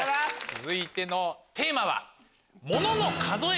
続いてのテーマは。